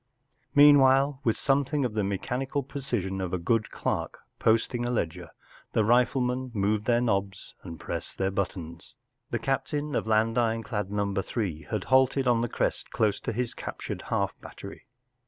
Meanwhile, with something of the me¬ chanical precision of a good clerk posting a ledger, the riflemen moved their knobs and pressed their buttons. ... The captain of I^and Ironclad Number Three had halted on the crest close to his captured half battery.